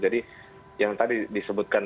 jadi yang tadi disebutkan